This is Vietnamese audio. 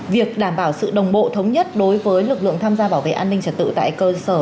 việc đảm bảo sự đồng bộ thống nhất đối với lực lượng tham gia bảo vệ an ninh trật tự tại cơ sở